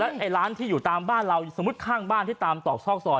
ไอ้ร้านที่อยู่ตามบ้านเราสมมุติข้างบ้านที่ตามตอกซอกซอย